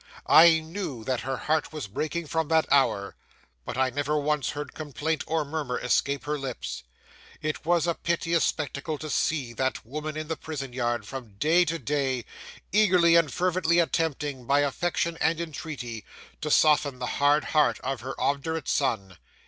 I knew that her heart was breaking from that hour; but I never once heard complaint or murmur escape her lips. 'It was a piteous spectacle to see that woman in the prison yard from day to day, eagerly and fervently attempting, by affection and entreaty, to soften the hard heart of her obdurate son.